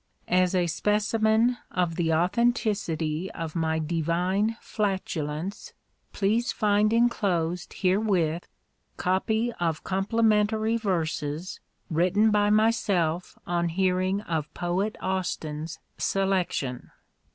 As a specimen of the authenticity of my divine flatulence, please find inclosed herewith copy of complimentary verses, written by myself on hearing of Poet AUSTIN'S selection.